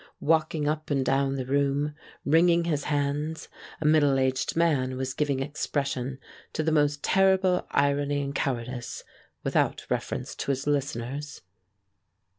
Walking up and down the room, wringing his hands, a middle aged man was giving expression to the most terrible irony and cowardice, without reference to his listeners.